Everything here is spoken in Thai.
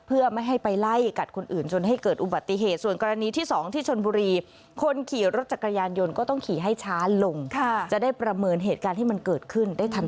เพื่อไม่ให้ไปไล่กัดคนอื่นจนให้เกิดอุบัติเหตุ